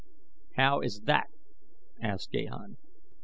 "How is that?" asked Gahan.